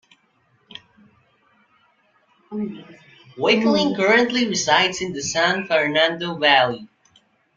Wakeling currently resides in the San Fernando Valley.